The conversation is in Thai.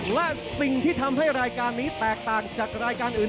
และสิ่งที่ทำให้รายการนี้แตกต่างจากรายการอื่น